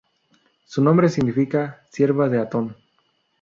Su nombre significa "Sierva de Atón".